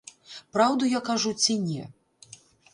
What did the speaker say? Праўду я кажу ці не?